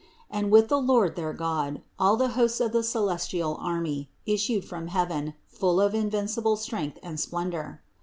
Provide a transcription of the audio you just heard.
And with the Lord their God, all the hosts of the celes tial army, issued from heaven, full of invincible strength and splendor.